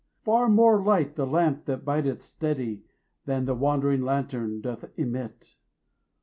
Far more light the lamp that bideth steady Than the wandering lantern doth emit.